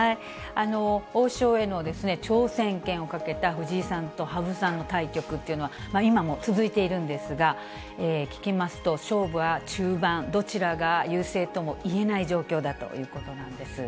王将への挑戦権をかけた藤井さんと羽生さんの対局というのは、今も続いているんですが、聞きますと、勝負は中盤、どちらが優勢ともいえない状況だということなんです。